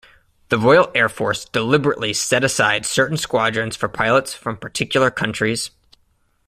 The Royal Air Force deliberately set aside certain squadrons for pilots from particular countries.